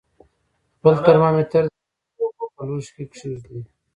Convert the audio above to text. خپل ترمامتر د ایشېدلو اوبو په لوښي کې کیږدئ.